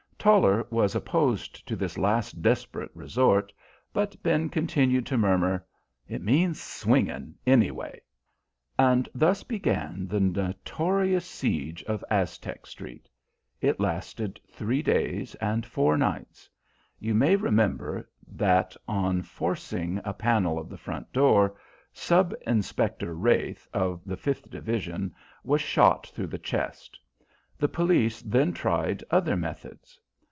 Toller was opposed to this last desperate resort, but Ben continued to murmur, "It means swinging, anyway." And thus began the notorious siege of Aztec Street. It lasted three days and four nights. You may remember that, on forcing a panel of the front door, Sub Inspector Wraithe, of the V Division, was shot through the chest. The police then tried other methods.